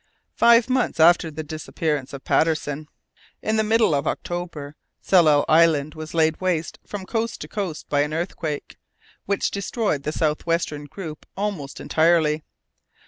Five months after the disappearance of Patterson, in the middle of October, Tsalal Island was laid waste from coast to coast by an earthquake, which destroyed the south western group almost entirely.